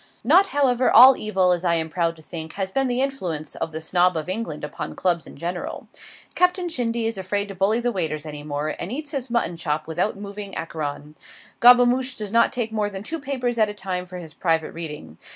Not, however, all evil, as I am proud to think, has been the influence of the Snob of England upon Clubs in general: Captain Shindy is afraid to bully the waiters any more, and eats his mutton chop without moving Acheron. Gobemouche does not take more than two papers at a time for his private reading.